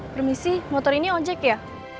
permisi motor ini ojek ya